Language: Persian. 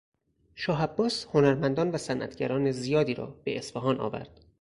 شاه عباس هنرمندان و صنعتگران زیادی را به اصفهان آورد.